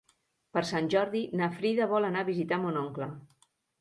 Per Sant Jordi na Frida vol anar a visitar mon oncle.